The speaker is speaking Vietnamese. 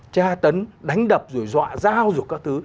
tra tấn đánh đập rồi dọa dao rồi các thứ